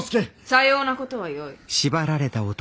さようなことはよい。